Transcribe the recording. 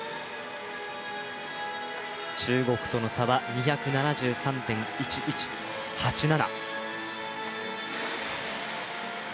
中国との差は２７３．１１８７。